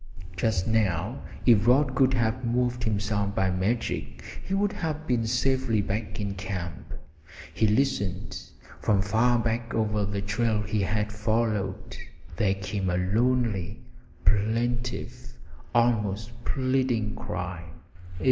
Just now, if Rod could have moved himself by magic, he would have been safely back in camp. He listened. From far back over the trail he had followed there came a lonely, plaintive, almost pleading cry.